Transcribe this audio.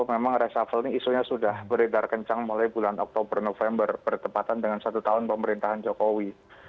memang resafel ini isunya sudah beredar kencang mulai bulan oktober november bertepatan dengan satu tahun pemerintahan jokowi